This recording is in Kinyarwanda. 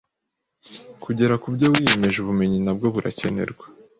kugera ku byo wiyemeje ubumenyi nabwo burakenerwa